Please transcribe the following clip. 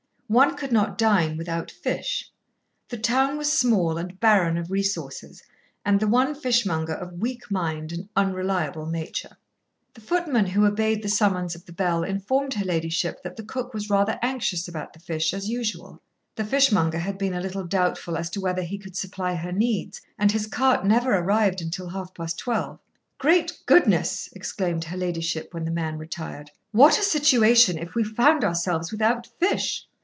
One could not dine without fish; the town was small and barren of resources, and the one fishmonger of weak mind and unreliable nature. The footman who obeyed the summons of the bell informed her ladyship that the cook was rather anxious about the fish, as usual. The fishmonger had been a little doubtful as to whether he could supply her needs, and his cart never arrived until half past twelve. "Great goodness!" exclaimed her ladyship when the man retired. "What a situation if we found ourselves without fish!